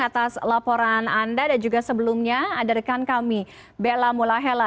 atas laporan anda dan juga sebelumnya ada rekan kami bella mulahela